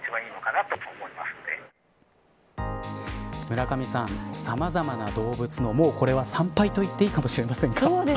村上さん、さまざまな動物のもう、これは参拝と言っていいかもしれませんが。